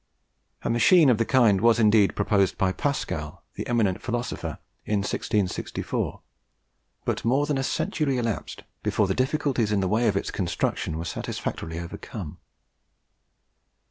A machine of the kind was indeed proposed by Pascal, the eminent philosopher, in 1664, but more than a century elapsed before the difficulties in the way of its construction were satisfactorily overcome.